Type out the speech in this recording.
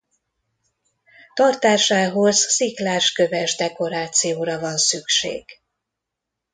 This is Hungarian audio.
Tartásához sziklás-köves dekorációra van szükség.